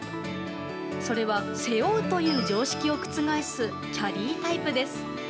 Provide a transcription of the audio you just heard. それは、背負うという常識を覆すキャリータイプです。